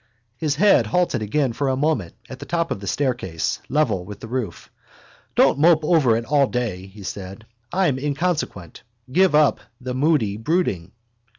His head halted again for a moment at the top of the staircase, level with the roof: —Don't mope over it all day, he said. I'm inconsequent. Give up the moody brooding.